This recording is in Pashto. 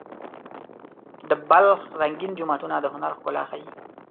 د بلخ رنګین جوماتونه د هنر ښکلا ښيي.